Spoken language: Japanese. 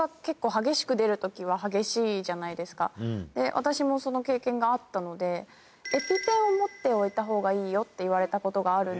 私もその経験があったのでエピペンを持っておいたほうがいいよって言われたことがあるんですね。